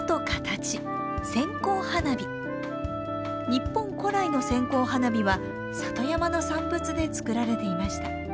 日本古来の線香花火は里山の産物で作られていました。